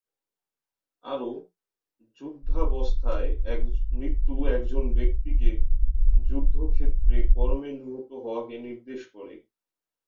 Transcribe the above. আরও, যুদ্ধাবস্থায় মৃত্যু একজন ব্যক্তিকে যুদ্ধক্ষেত্রে কর্মে নিহত হওয়াকে নির্দেশ করে।